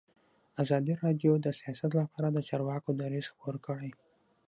ازادي راډیو د سیاست لپاره د چارواکو دریځ خپور کړی.